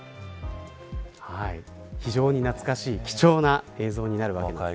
非常に懐かしい貴重な映像になるわけです。